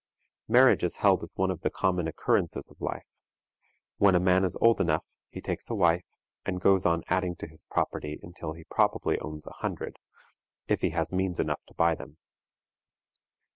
Marriage is held as one of the common occurrences of life. When a man is old enough, he takes a wife, and goes on adding to his property until he probably owns a hundred, if he has means enough to buy them.